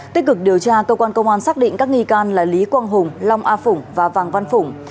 tích cực điều tra cơ quan công an xác định các nghi can là lý quang hùng long a phùng và vàng văn phùng